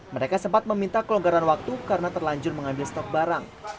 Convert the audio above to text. mereka sempat meminta kelonggaran waktu karena terlanjur mengambil stok barang